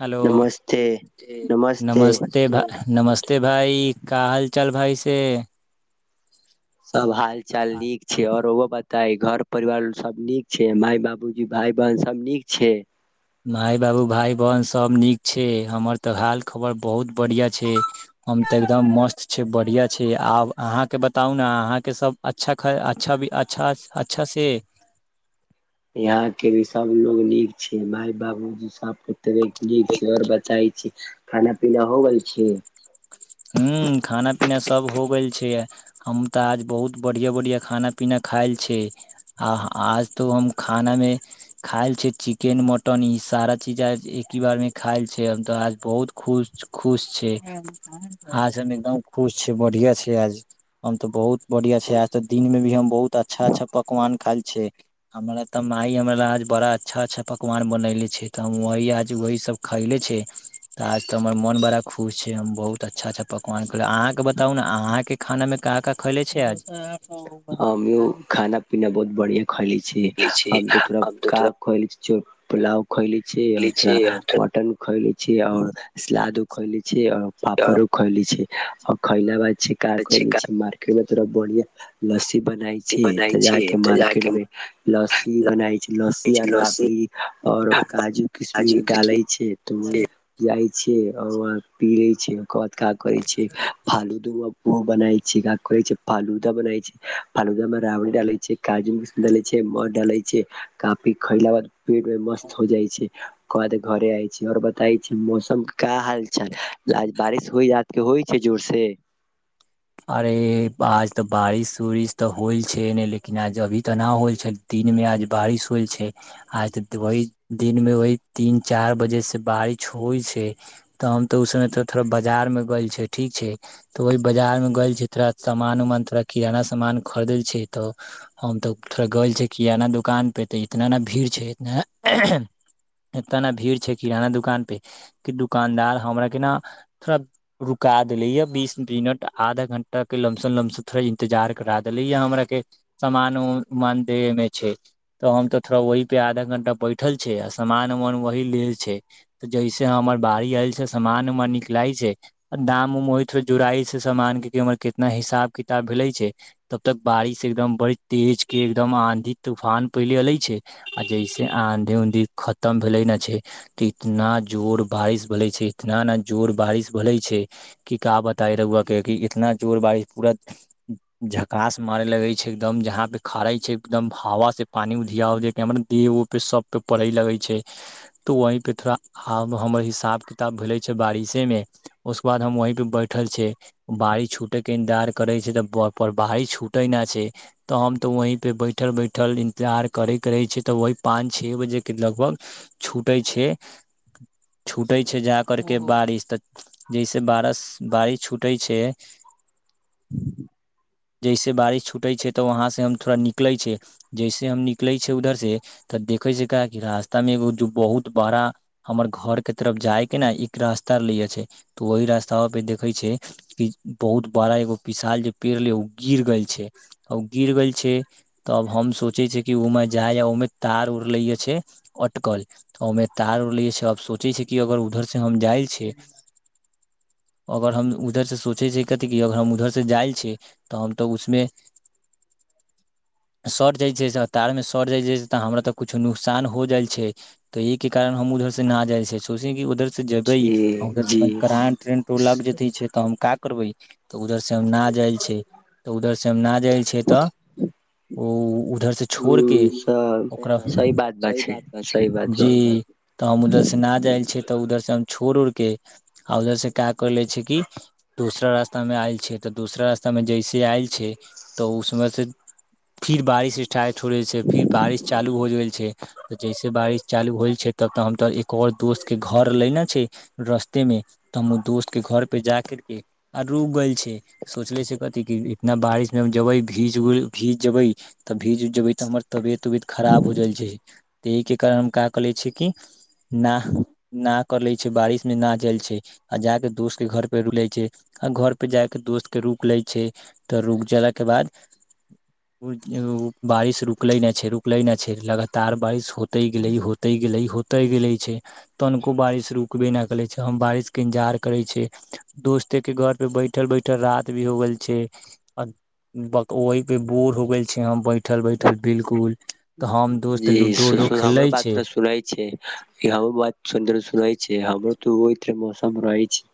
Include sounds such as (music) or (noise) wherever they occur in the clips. Hello नमस्ते ठीक नमस्ते भाई नमस्ते भाई का हाल चाल भाई से सब हाल चाल नीक छै (unintelligible) तै घर परिवार सब नीक छै माय बाबूजी भाय बहन सब नीक छै माय बाबू भाय बहन सब नीक छै हमर तऽ हाल खबर बहुत बढ़िया छै हम तऽ एकदम मस्त छै बढ़िया छै आब अहाँके बताऊ न अहाँके सब (unintelligible) अच्छासे यहा के भी सबलोग नीक छै माय बाबूजी सबके (unintelligible) नीक छै और बताय छै खाना पीना हो गेल छै हूँ खाना पीना सब हो गेल हम तऽ आज बहुत बढ़िया बढ़िया खाना पीना खायल छै आ आज तो हम खाना में खायल छै चिकेन मटन ई सारा चीज आज एकी बार मे खायल छै हम तऽ आज बहुत खुश खुश छै आज हम एकदम खुश छी बढ़िया छै आज हम तऽ बहुत बढ़िया छै आज तऽ दिन में भी हम बहुत अच्छा अच्छा पकवान खायल छै हमरा तऽ माय हमर आज बड़ा अच्छा अच्छा पकवान बनेले छै त हम वही आज वही सब खयले छै आज तऽ हमर मन बड़ा खुश छै हम बहुत तऽ अच्छा अच्छा पकवान (unintelligible) अहाँके बताऊ न अहाँ के खाना में का का खैले छै आज हम खाना पीना बहुत बढ़िया खैइले छी तऽ थोड़ा हम (unintelligible) पुलाव खइले छि और ले छै थोड़ा और थोड़ा मटन (unintelligible) और सलादो खइले छी और पापड़ो खइले छी (inaudible) खइले (inaudible) चिकन (unintelligible) तोरा बढ़िया लसि बनाई रोटी छै बनाय तऽ छै जाके तऽ मार्केट जाके में लस्सी बनाय छै लस्सी और राबड़ी और काजू किशमिश डालै छै तऽ ओ से जाय छै और पियै ज कत क करै छै फालूदू ओ बनाय छै का कहै छै फालूदा बनाय छै पनगमे रावण डाले छै काजू मिश डाले छै मध डाले छै काफी खइला बाद पेट मे मस्त हो जाइ छै काद घरे आइ छी आओर बताै छी मौसम क हाल चाल आ बारिश होइ जात के होइ ते जोरसँ अरे आज तऽ बारिश उरििश तऽ होल छै ने लेकिन आज अभी तऽना होल छै दिन मे आज बारिश होल छै आज वहि दिन मे वहि तीन चार बजे से बारिश होइ छै तऽ हम तऽ ओ समय त थोड़ा बाजार मे गेल छ ठीक छै तऽ ओह बाजार मे ग छै थोड़ा सामान उमान थोड़ा किराना सामान खरीदल छ तो हम तो थोड़ा ग छै किराना दुकान पे ते इतना ने भीड़ छै इना इतना ने भीड़ छै किराना दुकान पे कि दुकानदार हमरा के ने थोड़ा रुका देले य बीस मिनट आधा घं्टा के लमसन लमसन थोड़ा इंतजार करा देले य हमरा के सामान उमान दे मे छै तऽ हम तो थोड़ा वह पे आधा घं्टा बैठल छै आ सामान उमान वह लेल छै जैसे हमर बाड़ी आयल छै सामान उमान निकलाय छै आ दाम उम वही थोड़ा जुड़ई छै समान के के हमर कितना हिसाब किताब भेले छै तब तक बारिश एकदम बड़ तेज के एकदम आंधी तूफान पहिले एले छै आ जैसे आंधी उंधे खतम भेले न छै त इतना जोर बारिश भेलले छै इतना ने जोर बारिश भले छै क का बताउ र चला। क कि इतना जोर बारिश पूरा झकास मारे लगे छै एकदम जहाँ पे खड़े छै एकदम हवा से पानी धिया हम देहे सब पे पड़े लगे छै तो वहं पे थोड़ा आ हमर हिसाब किताब भेले बारिशे मे उसके बाद हम वही परे बैठे उठल छै बड़ी छुट छे के इन्तजार करै छै तऽ बाही छूटे न छै तऽ हम तऽ वही पे बैठल बैठल इंतजार करे के रहे छियै तऽ वह पाँच छे बजे के लगभग छूटे छै छुटे छै जा करके बारिश तऽ जैसे बारिश बारिश छ जैसे बारिश छूटे छै तऽ वहां से हम थोड़ा निकले छै जैसे हम निकले छै उधर से तऽ देखे छै क रास्ता मे एगो बहुत बड़ा हमर घर के तरफ जाय के ने एक रास्ता ले छै त वहि रास्ता पे देखे छै बहुत बड़ा एगो विशाल जे पेड़ रहले ओ गिर गेल छै ओ गिर गेल छै तब हम सोचे छ कि ओमे जाइ ओहिमे तार उड़ले छै अटकल ओहिमे तार उड़ले छै आब सोचे छै कि अगर उधर से हम जाय छ अगर हम उधर से सोचे छै कथि क अर हम उधर से जाइ छी तऽ हम तो उसमे सट जाइ छै से तार मे सट जाइ छै तऽ हमरा तऽ कुछो नुकसान हो जाइ छै तऽ एहि के कारण हम उधर से ना जाय छै सोचे कि उधर जेबै जी आ उधर से जी क करान ट्रेन टोला के जे छै क करबै तऽ उधर से हम न जाइ छ तऽ उधर से हम न जाइ छ तऽ ओ उ उधर से छोड़ के उ सब ओकरा सही बात स बा बात छै सही बात बा जी तऽ हम उधर से ना जायल छ तऽ उधर से हम छोड़ उ के के आ उधर से क्या कर ले छै कि दूसरा रास्ता मे आयल छै तऽ दूसरा रास्ता मे जैसे आयल छै तऽ उसमे से फिर बारिशठ ठ होे छै फिर बारिश चालू हो गेल छै जैसे बारिश चालू होल छै तब तऽ हम तऽ और दोस्त के घर लैना छै। रस्तेमे। त हम ऊ दोस्तके घर पे जा कर ई आ रुक गइल छै। सोचले छै कथी कि इतना बारिशमे हम जेबै भीज उ भीज जेबै, तऽ भीज जेबै तऽ हमर तबियत-उबियत खराब हो जाइल छै। त एहि के कारण हम का कर ले छ कि न ना कर ले छै बारिश में ना जाल छै आ जाके दोस्त के घर पे रुले आ घर पर जा कऽ दोस्तके रुकि लै छै तऽ रुक जाके बाद बारिश रुकलै नहि छै रुकलै नहि छै लगातार बारिश होते गेलै होते गेलै होते गेले छै तनिको बारिश रुकबे नहि कै छै हम बारिशके इन्तजार करै छियै दोस्ते के घर पे बैठल बैठल रात भी हो गेल छै वहि पे बोर हो गेल छै हम बैठल बैठल बिलकुल तऽ हम दोस्त जी। लूडो से उडो हमरो खेलै बात छै जोड़ा सुनाइ छै। हमरो बात सुन द सुनाइ छै। हमरो तऽ ओहिके मौसम रहै छै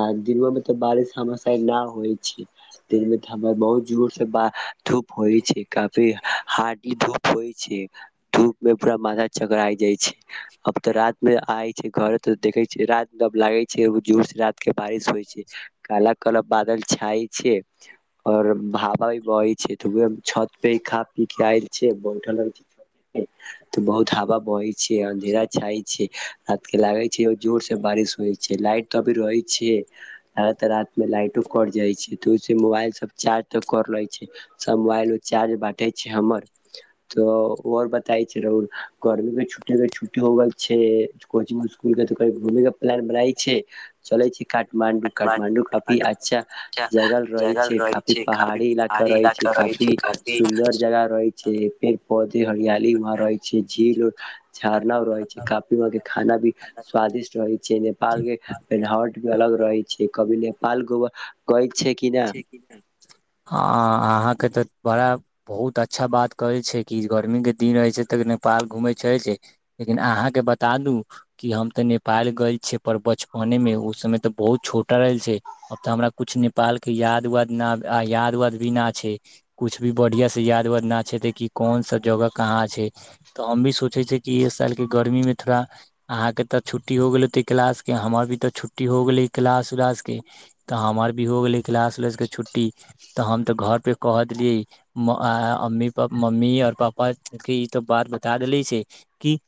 आ दिनोमे तऽ बारिश हमेशा ना होइ छै। दिनमे त हमर बहुत जोर से बा धूप होइ छै। काफी हार्ड ई बला होइ छै। धूपमे पूरा माथा चकराय जाय छै। अब तऽ रातमे आय छै घरे त देखै छै रातमे लागै छै जोर से रातके बारिश होइ छै। काला काल बादल छाय छै और भ हाबा भी बहै छै, त चाहे हम छत पे खा-पी के आयल छी। बैठल रहै छै छते पे त बहुत हवा बहै छै, अंधेरा छाय छै। रात के लागै छै जोर से बारिश होइ छै। लाइट कभी रहे छियै आ नै त रात मे लाइटो कट जाय छै त ओइ से मोबाइल सब चार्ज त कर लै छी। सब मोबाइल उल चार्ज बाटै छै हमर। तऽ ओ अर बताय छै रउर गरमी मे छुट्टी मे छुट्टी हो गेल छै कोचिंग-उचिंग। एलकै तऽ कहै घूमै ला प्लान बनाइ। छियै। चलै छी काठ मांडु। काठमांडु काफी अच्छा जगह रहै छै, काफी पहाड़ी इलाका रहे छै। काफी सुन्दर जगह रहै छै। पेड़-पौधे हरियाली कहां रहै छै, झील और झारना और रहै छै। काफी वहां के खाना भी स्वादिष्ट रहै छै जे पहाड़के पेन्हावट भी अलग रहै छै। कि कभी नेपाल घूमअ गइल छियै कि ना? हां, अहाँके तऽ बड़ा बहुत अच्छा बात करै छै कि गर्मीके दिन रहै छै तऽ नेपाल घूमै छैै छै। लेकिन अहाँके बता दू कि हम तऽ नेपाल गइल छियै, पर बचपनेमे। ओ समय तऽ बहुत छोटा रहल छै। अब तऽ हमरा कुछ नै नेपाल के याद-वाद न याद वाद भी न छै। कुछ भी बढ़िया से याद-वाद ना ते कोन सा जगह कहाँ छै। तऽ हम भी सोचै छे कि ओ सालके गर्मीमे थोड़ा अहाँ के त छुट्टी हो गेल होतै क्लास के? हमर भी त छुट्टी हो गेलै क्लास-उलास के, तऽ हमर भी हो गेलै क्लास-उलास के छुट्टी, त हम त घर पे कह देलियै म क अम्मी पा मम्मी और पापा के ई त बात बता देले छै कि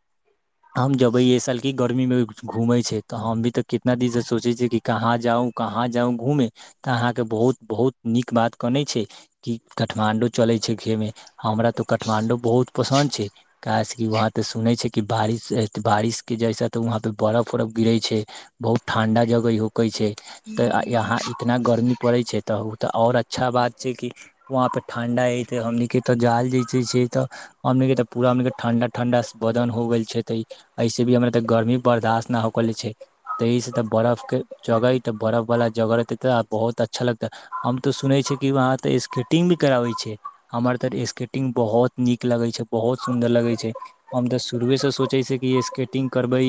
हम जबै ए साल की गर्मी मे घूमै छै त हम भी त कितना दिन से सोचै छियै कि कहाँ जाउ कहाँ जाउ घूमे। तऽ अहाँके बहुत बहुत नीक बात कनै छै कि काठमां्डू चले छै खे मे हमरा तो काठमांडु बहुत पसंन्द छै। कि काठमांडु चलै छै घूमे। हमरा त काठमांडु बहुत पसन्द छै। काहे से कि वहां त सुनै छै कि बारिश अ बारिश के जैसा तऽ वहां पे बर्फ-उरफ गिरै छै। बहुत ठंडा जगह इहो कहै छै तऽ अ यहाँ ई गर्मी पड़ै छै तऽ ऊ तऽ और अ- अच्छा बात छै कि वहा पे ठंडा हइ त हमनी के त जाल जे छै त हमनी केे ते पूरा हमनी के ठंडा ठंडा बदन हो गैल छैे त ई। ऐसे भी हमरा के गर्मी बर्दाश्त ना हो कले छै, त ई से त बरफ के जगह हय त बरफ वाला जगह रहतै तऽ बहुत अच्छा लगतै। हम तऽ सुनै छियै कि वहाँ तऽ स्केटिंग भी कराबै छै। हमर तऽ स्केटिंग बहुत नीक लगै छै, बहुत सुन्दर लगै छै। हम तऽ शुरूएसँ सोचै छियै कि स्केटिंग करबै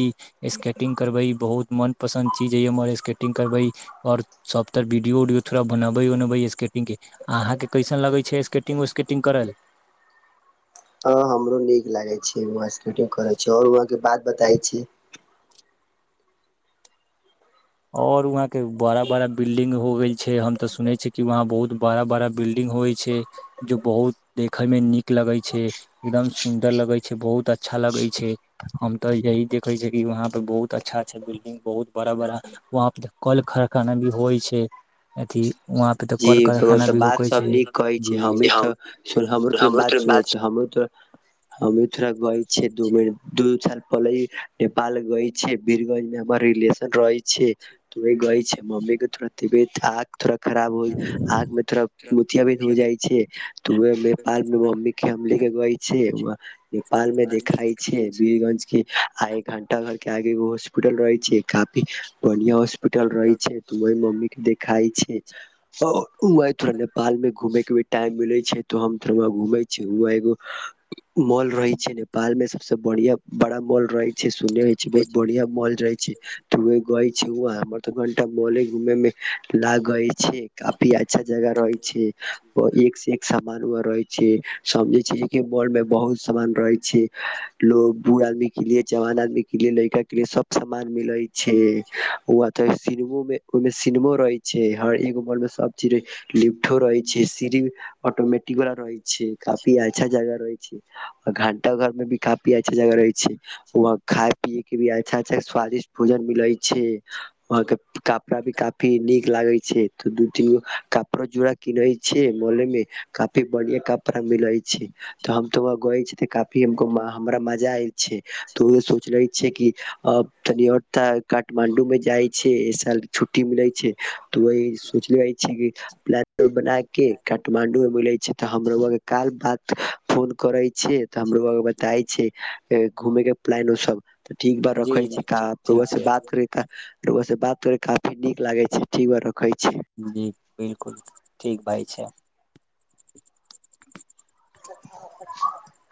स्केटिंग करबै। ई बहुत मनपसन्द चीज हइ हमर स्केटिंग करबै, और सभ तर वीडियो-उडियो थोड़ा बनअबै-उनअबै स्केटिंगके। अहाँके कैसन लगै छै स्केटिंग-उस्केटिंग करल? ह, हमरो नीक लागै छै वहां स्केटिंग करै छियै और वहां के बात बताइ छी। और वहााँ के बड़ा बड़ा बिल्डिंग हो गेल छै। हम तऽ सुनै छियै कि वहां बहुत बड़ा बड़ा बिल्डिंग होइ छै, जो बहुत देखैमे नीक लागै छै। एकदम सुन्दर लगै छै। बहुत अच्छा लगै छै। हम तऽ यही देखै छी कि वहां पे बहुत अच्छा अच्छा बिल्डिंग, बहुत बड़ा बड़ा वहाँपे तऽ कल-खरखाना भी होइ छै। अथी वहाँ पे तऽ जी। कल ओ कारखाना तऽ भी बात होकै सब छै नीक कहै छै। जी हमहीँ तऽ सुन हमरो थोड़े बात सुनै छै। हमरो तऽ हमहीं थोड़ा गइल छियै दू बेर दूू साल। पहिले ई नेपाल गइल छै बीरगंज मे हमर रिलेशन रहै छै, त वहीं गई छै मम्मी के थोडा़ तबियत खराब थोड़ा खराब आग मे थोड़ा मतियाब हो जाइ छै, तऽ उसे में नेपाल मे मम्मी के हम ले के गए छै, नेपाल मे देखाय छै बीरगंज के आ एक घं्टा घर क एगो हॉस्पिटल रहे छै काफी बढ़िया हॉस्पिटल रहै छै त ओह मम्मी के देख खाइ छै तऽ उ (unintelligible) थोड़ा नेपालमे घूमे कभी टाइम मिलै छै त हम फेर वहाँ घूमै छी। वहाँ एगो मॉल रहै छै नेपाल मे। सबसे बढ़ियाँ बड़ा मॉल रहै सुने होइ छै बहुत बढ़िया मॉल रहै छै त हमर तो घंटा मोल घुमे में लागई छै। काफी अच्छा जगह रहै छै ओ एक से एक सब मान उ रहे छै, समझे छै के मॉल में बहुत सामान रहे छै, लोग बूढ़ आदमी के लिए जवान आदमी के लि लड़का के लिए सब समान मिले छै। ओ ओथे सिनेमो मे ओमे सिनेमो रहे छै हर एगो बॉल मे सब चीजे लिफ्ठ रहे छै सीढ़ी ऑटोमेटिक वाल रहे छै। काफी अच्छा जगह रहे छै, घंटा घर में भी काफी अच्छा जगह रहे छै। वहां खाय पियए के भी अच्छा अच्छा स्वादिष्ट भोजन मिले छै। वहां काफ् किभी काफी नीक लागै छै तऽ दू (inaudible) कपड़ा जूड़ा किने छ मोल में काफी बढ़िया कपड़ा मिलै छै। तऽ हम तो वह गय छी त काफी हमको मा हमरा मजा ए छै तऽ ओ सोच रहे छै कि अ तनि आओर तऽ काठमाण्डू में जाइ छे एसाल छुट्टी मिलै छै तऽ ओहि पुछ छी प् बना के काठमाण्डू मे बोले छी तऽ हमरो व काल बात फोन करइ छे तऽ हमरो आ बताइ छै। घूमे के प्लान ओ सब तऽ ठीक बा जी रखै छी जी ठीक ताब। ठीक रउआ से छै बात करी तऽ रउआ से बात करि क काफी नीक लागे छै ठीक बा रखै छी। जी बिलकुल ठीक भइ छै। (inaudible)